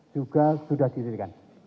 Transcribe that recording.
juga sudah dihubungi